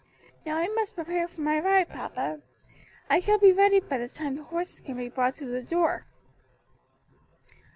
Now I must prepare for my ride, papa. I shall be ready by the time the horses can be brought to the door."